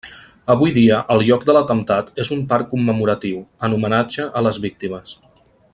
Avui dia el lloc de l'atemptat és un parc commemoratiu, en homenatge a les víctimes.